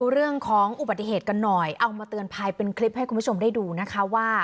เรื่องของอุบัติเหตุกันหน่อยเอามาเตือนภัยเป็นคลิปให้คุณผู้ชมได้ดูนะคะว่า